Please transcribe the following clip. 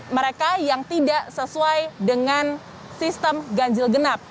mereka yang tidak sesuai dengan sistem ganjil genap